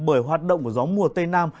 bởi hoạt động của gió mùa tây nam